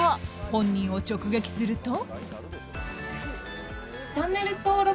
本人を直撃すると。